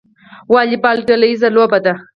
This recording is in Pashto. والیبال ډله ییزه لوبه ده